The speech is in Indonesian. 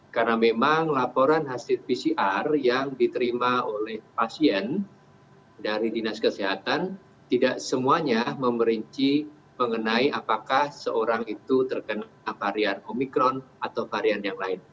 karena memang laporan hasil pcr yang diterima oleh pasien dari dinas kesehatan tidak semuanya memerinci mengenai apakah seorang itu terkena varian omicron atau varian yang lain